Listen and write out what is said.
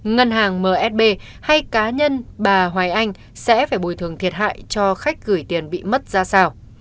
ngân hàng msb hay cá nhân bà hoài anh sẽ phải bồi thường thiệt hại cho khách gửi tiền bị mất ra sao